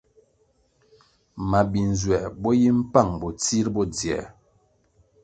Mabi-nzuer bo yi mpang bo tsir bo dzier.